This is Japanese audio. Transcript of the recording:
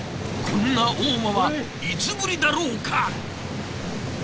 こんな大間はいつぶりだろうか。